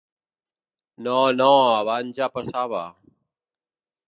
“No, no, abans ja passava…”